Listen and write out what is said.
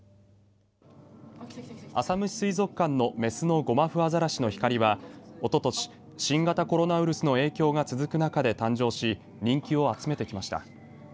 浅虫水族館の雌のゴマフアザラシのひかりはおととし新型コロナウイルスの影響が続く中で誕生し人気を集めてきました。